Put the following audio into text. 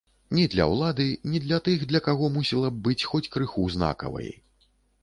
Ні для ўлады, ні для тых, для каго мусіла б быць хоць крыху знакавай.